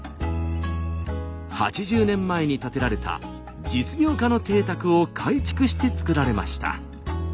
８０年前に建てられた実業家の邸宅を改築して造られました。